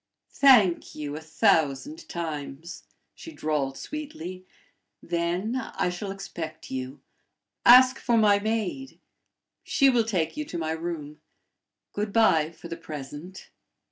"Thank you a thousand times," she drawled, sweetly. "Then I shall expect you. Ask for my maid. She will take you to my room. Good by for the present."